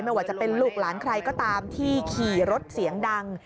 ไม่ว่าจะเป็นลูกหลานใครก็ตามที่ขี่รถเสียงดัง